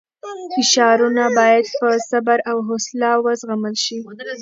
فشارونه باید په صبر او حوصله وزغمل شي.